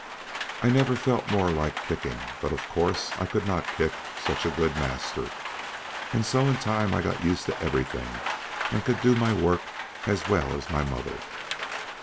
I never felt more like kicking, but of course I could not kick such a good master, and so in time I got used to everything, and could do my work as well as my mother.